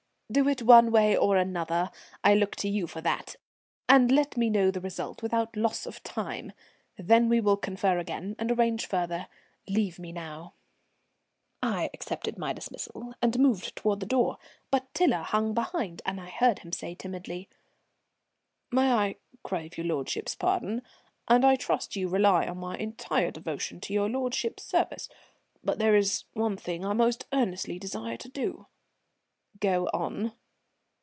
"Do it one way or another. I look to you for that, and let me know the result without loss of time. Then we will confer again and arrange further. Leave me now." I accepted my dismissal and moved towards the door, but Tiler hung behind, and I heard him say timidly: "May I crave your lordship's pardon and I trust you rely on my entire devotion to your lordship's service but there is one thing I most earnestly desire to do." "Go on."